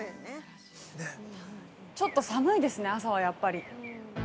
◆ちょっと寒いですね、朝はやっぱり。